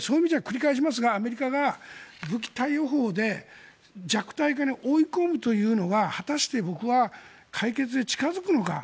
そういう意味では繰り返しになりますがアメリカが武器貸与法で弱体化に追い込むというのが果たして僕は解決へ近付くのか。